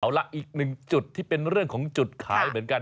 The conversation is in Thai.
เอาล่ะอีกหนึ่งจุดที่เป็นเรื่องของจุดขายเหมือนกัน